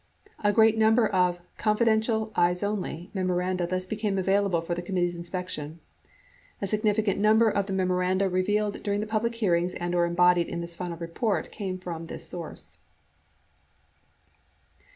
A great number of "confidential/eyes only" memoranda thus became available for the committee's inspection. A significant number of the memoranda re vealed during the public hearings and/or embodied in this final report came from this source.